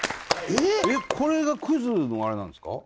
えっこれがクズのあれなんですか？